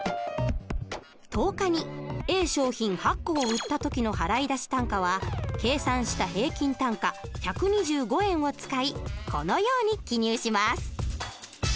１０日にＡ商品８個を売った時の払出単価は計算した平均単価１２５円を使いこのように記入します。